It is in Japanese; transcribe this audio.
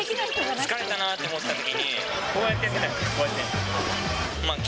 疲れたなーと思ったときに、こうやってやってたんです、こうやって。